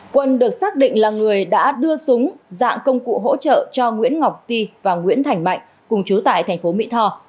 quân được xác định là người đã đưa súng dạng công cụ hỗ trợ cho nguyễn ngọc ti và nguyễn thành mạnh cùng chú tại thành phố mỹ tho